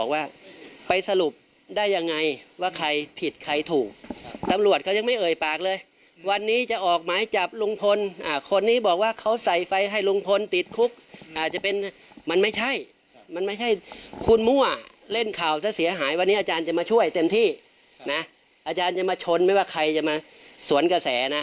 วันนี้อาจารย์จะมาช่วยเต็มที่อาจารย์จะมาชนไม่ว่าใครจะมาสวนกระแส